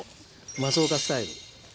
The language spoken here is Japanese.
松岡スタイル。